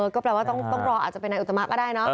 ก็แปลว่าต้องรออาจจะเป็นนายอุตมะก็ได้เนอะ